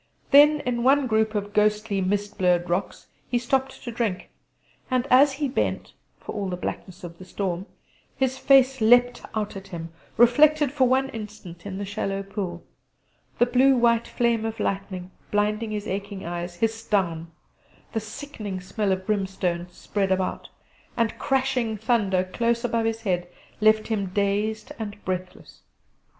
Then in the one group of ghostly, mist blurred rocks he stopped to drink; and, as he bent for all the blackness of the storm his face leaped out at him, reflected for one instant in the shallow pool; the blue white flame of lightning, blinding his aching eyes, hissed down; the sickening smell of brimstone spread about; and crashing thunder close above his head left him dazed and breathless.